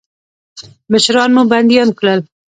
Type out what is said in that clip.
مشران مو بندیان کړل.